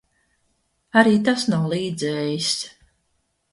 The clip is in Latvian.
Arī tas nav līdzējis.